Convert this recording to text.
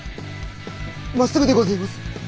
まっすぐでごぜえます。